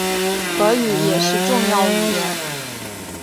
俄语也是重要语言。